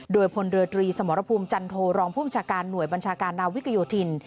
โดยพลเรือตรีสมรภูมิจันโทรองภูมิชาการหน่วยบัญชาการนาวิกโยธิน